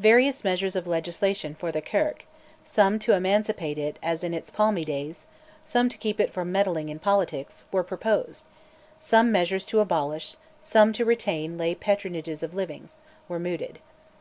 Various measures of legislation for the Kirk some to emancipate it as in its palmy days, some to keep it from meddling in politics were proposed; some measures to abolish, some to retain lay patronage of livings, were mooted.